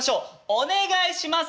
お願いします！